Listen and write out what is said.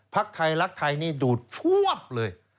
พักไทยรักไทยนี่ดูดพวบเลย